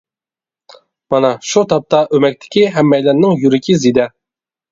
مانا شۇ تاپتا ئۆمەكتىكى ھەممەيلەننىڭ يۈرىكى زېدە.